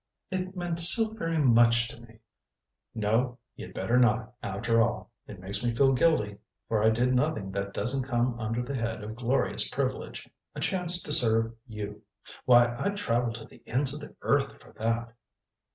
"It meant so very much to me " "No you'd better not, after all. It makes me feel guilty. For I did nothing that doesn't come under the head of glorious privilege. A chance to serve you! Why, I'd travel to the ends of the earth for that."